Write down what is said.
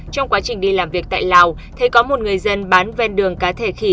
trong quá trình đi làm việc tại lào thấy có một người dân bán ven đường cá thể khỉ